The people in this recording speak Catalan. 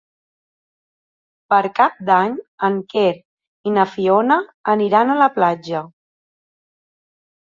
Per Cap d'Any en Quer i na Fiona aniran a la platja.